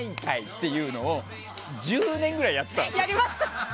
というのを１０年くらいやってたの。